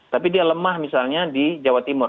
tapi dia lemah misalnya di jawa timur